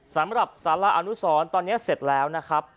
สำหรับสาระอนุสรตอนนี้เสร็จแล้วนะครับ